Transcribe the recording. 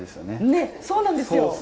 ねっそうなんですよ。